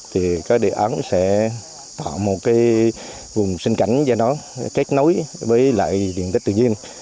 thì cái đề án sẽ tạo một cái vùng sinh cảnh cho nó kết nối với lại diện tích tự nhiên